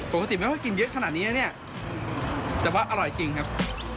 แม้ว่ากินเยอะขนาดนี้นะเนี่ยแต่ว่าอร่อยจริงครับ